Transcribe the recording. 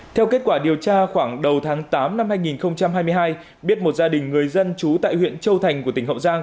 theo kết quả điều tra khoảng đầu tháng tám năm hai nghìn hai mươi hai biết một gia đình người dân trú tại huyện châu thành của tỉnh hậu giang